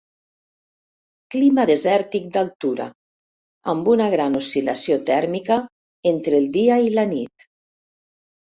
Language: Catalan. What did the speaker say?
Clima desèrtic d'altura, amb una gran oscil·lació tèrmica entre el dia i la nit.